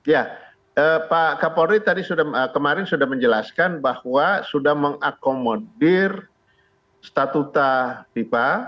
ya pak kapolri tadi sudah kemarin sudah menjelaskan bahwa sudah mengakomodir statuta fifa